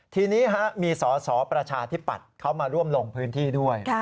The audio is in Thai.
ทีนี้มีสอสอประชาธิปัตย์เขามาร่วมลงพื้นที่ด้วย